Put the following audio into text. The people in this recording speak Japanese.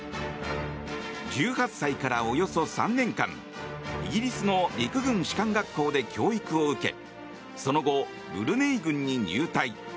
１８歳から、およそ３年間イギリスの陸軍士官学校で教育を受けその後、ブルネイ軍に入隊。